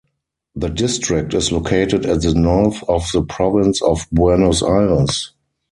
The District is located at the north of the Province of Buenos Aires.